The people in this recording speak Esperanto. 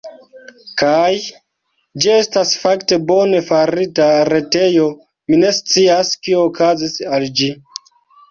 Kaj... ĝi estas fakte bone farita retejo, mi ne scias, kio okazis al ĝi.